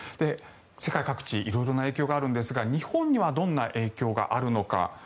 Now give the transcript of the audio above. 世界各地色々な影響があるんですが日本にはどんな影響があるのか。